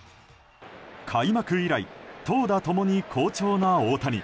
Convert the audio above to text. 開幕以来、投打共に好調な大谷。